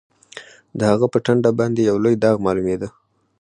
د هغه په ټنډه باندې یو لوی داغ معلومېده